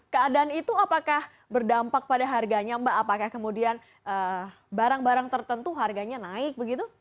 keadaan itu apakah berdampak pada harganya mbak apakah kemudian barang barang tertentu harganya naik begitu